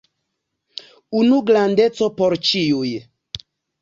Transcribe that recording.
Unu grandeco por ĉiuj.